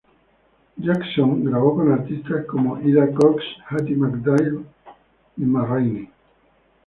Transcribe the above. Jackson grabó con artistas como Ida Cox, Hattie McDaniel y Ma Rainey.